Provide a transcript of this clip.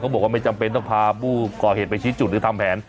บอกว่าไม่จำเป็นต้องพาผู้ก่อเหตุไปชี้จุดหรือทำแผน